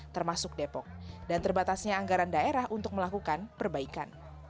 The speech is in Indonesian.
termasuk depok dan terbatasnya anggaran daerah untuk melakukan perbaikan